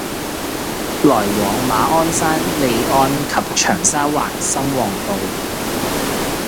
來往馬鞍山（利安）及長沙灣（深旺道），